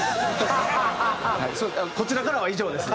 こちらからは以上です。